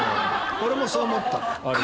俺もそう思った。